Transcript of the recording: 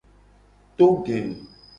To ge.